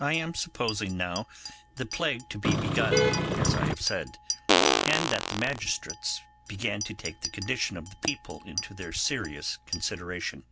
I am supposing now the plague to be begun, as I have said, and that the magistrates began to take the condition of the people into their serious consideration.